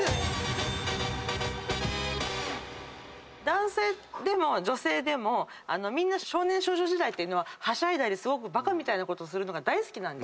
男性でも女性でもみんな少年少女時代っていうのははしゃいだりバカみたいなことをするのが大好きなんですよ。